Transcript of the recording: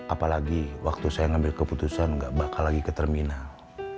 apalagi waktu saya ngambil keputusan gak bakal lagi ke terminal